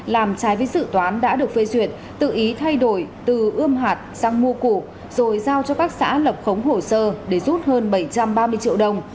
làm trái với dự toán đã được phê duyệt tự ý thay đổi từ ươm hạt sang mua củ rồi giao cho các xã lập khống hồ sơ để rút hơn bảy trăm ba mươi triệu đồng